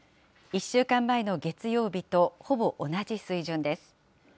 １週間前の月曜日とほぼ同じ水準です。